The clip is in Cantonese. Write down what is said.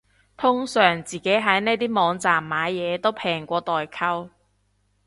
通常自己喺呢啲網站買嘢都平過代購